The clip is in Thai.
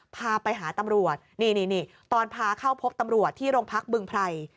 พาไปหาตำรวจนี่ตอนพาเข้าพบตำรวจที่โรงพักบึงไพร